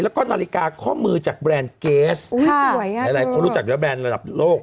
แล้วก็นาฬิกาข้อมือจากแบรนด์เกสใดคนรู้จักว่าแบรนด์ระดับโลก